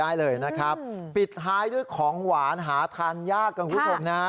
ได้เลยนะครับปิดท้ายด้วยของหวานหาทานยากกันคุณผู้ชมนะ